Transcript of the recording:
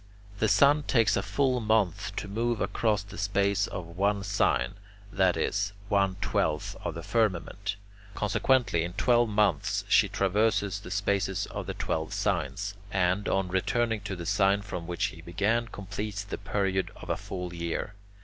The sun takes a full month to move across the space of one sign, that is, one twelfth of the firmament. Consequently, in twelve months he traverses the spaces of the twelve signs, and, on returning to the sign from which he began, completes the period of a full year.